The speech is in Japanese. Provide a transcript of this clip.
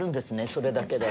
それだけで。